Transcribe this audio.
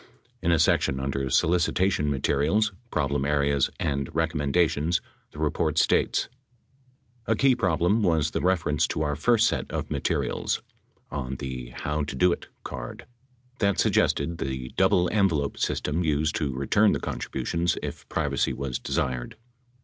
In a section under "Solicitation Materials — Problem Areas and Recommendations," the report states : A key problem was the reference to our first set of mate rials — on the "How To Do It" card — that suggested the "double envelope" system used to return the contributions if privacy was desired.